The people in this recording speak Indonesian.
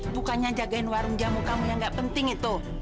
bukannya jagain warung jamu kamu yang gak penting itu